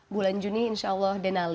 bulan juni insya allah denali